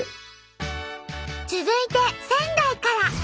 続いて仙台から。